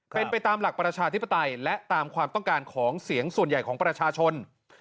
เป็นไปตามหลักประชาธิปไตยและตามความต้องการของเสียงส่วนใหญ่ของประชาชน